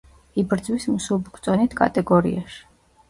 იბრძვის მსუბუქ წონით კატეგორიაში.